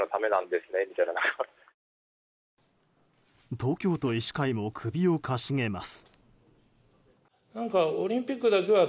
東京都医師会も首をかしげます。